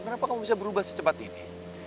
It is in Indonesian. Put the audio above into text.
kenapa kamu bisa berubah secepat ini